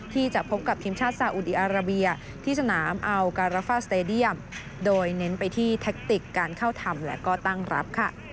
ที่จะพบกับทีมชาติสาอุดีอาราเบียที่สนามอัลการาฟาสเตดียมโดยเน้นไปที่แทคติกการเข้าทำและก็ตั้งรับค่ะ